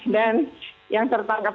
dan yang tertangkap